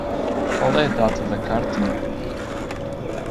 Qual é a data da carta?